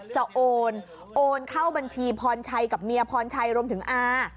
โอนโอนเข้าบัญชีพรชัยกับเมียพรชัยรวมถึงอา